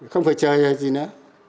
không phải chơi hay gì nữa